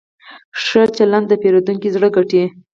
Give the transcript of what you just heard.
ښه چلند د پیرودونکي زړه ګټي.